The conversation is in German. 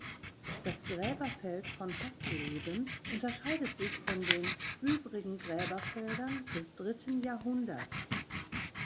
Das Gräberfeld von Haßleben unterscheidet sich von den übrigen Gräberfeldern des dritten Jahrhunderts.